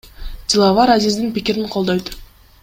Диловар Азиздин пикирин колдойт.